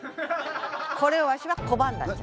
これをわしはこばんだんじゃ。